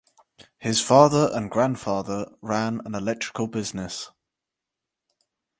His father and grandfather ran an electrical business.